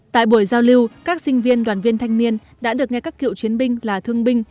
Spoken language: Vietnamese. tại buổi giao lưu các sinh viên đoàn viên thanh niên đã được nghe các cựu chiến binh là thương binh